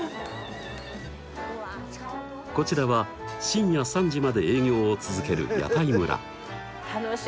こちらは深夜３時まで営業を続ける屋台村。